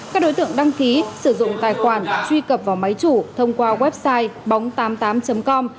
các đối tượng đăng ký sử dụng tài khoản truy cập vào máy chủ thông qua website bóng tám mươi tám com